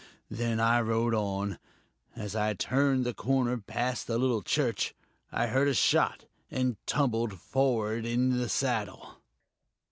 Then I rode on. As I turned the corner, past the little church, I heard a shot and tumbled forward in the saddle."